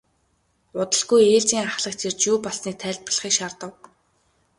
Удалгүй ээлжийн ахлагч ирж юу болсныг тайлбарлахыг шаардав.